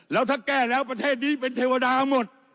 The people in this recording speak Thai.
แล้วถ้าแก้แล้วประเทศนี้เป็นเทวดาหมด